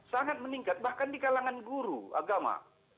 sangat meningkat bahkan di kalangan guru agama